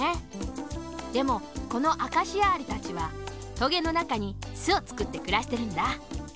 でもこのアカシアアリたちはトゲのなかにすをつくってくらしてるんだ。